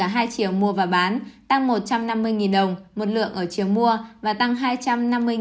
ở cả hai chiều mua và bán tăng một trăm năm mươi đồng một lượng ở chiều mua và tăng hai trăm năm mươi đồng một lượng